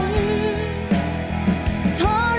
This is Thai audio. ไม่ต้องการ